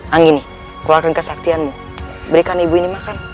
angini keluarkan kesaktianmu berikan ibu ini makan